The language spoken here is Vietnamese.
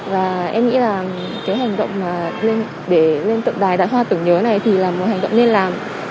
và em nghĩ là cái hành động mà để lên tượng đài đại hoa tưởng nhớ này thì là một hành động nên làm